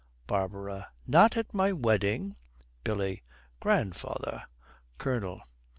BARBARA. 'Not at my wedding!' BILLY. 'Grandfather!' COLONEL.